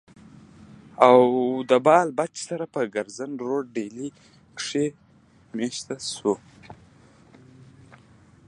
او د بال بچ سره پۀ کرزن روډ ډيلي کښې ميشته شو